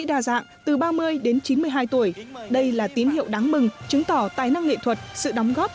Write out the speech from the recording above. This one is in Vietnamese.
đa dạng từ ba mươi đến chín mươi hai tuổi đây là tín hiệu đáng mừng chứng tỏ tài năng nghệ thuật sự đóng góp